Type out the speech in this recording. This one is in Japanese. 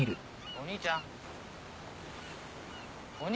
お兄ちゃん！